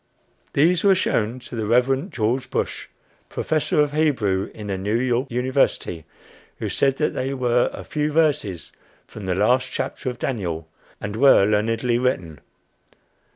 These were shown to the Reverend George Bush, Professor of Hebrew in the New York University, who said that they were "a few verses from the last chapter of Daniel" and were learnedly written.